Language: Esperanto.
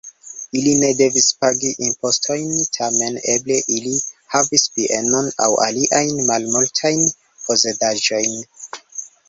Ili ne devis pagi impostojn, tamen eble ili havis bienon aŭ aliajn malmultajn posedaĵojn.